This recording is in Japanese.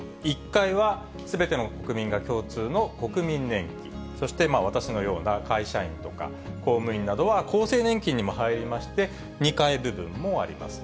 １階はすべての国民が共通の国民年金、そして私のような会社員とか、公務員などは、厚生年金にも入りまして、２階部分もあります。